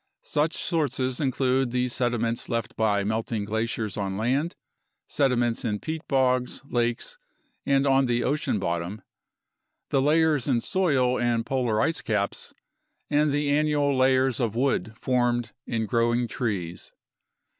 Such sources include the sediments left by melting glaciers on land; sediments in peat bogs, lakes, and on the ocean bottom; the layers in soil and polar ice caps; and the annual layers of wood formed in growing trees.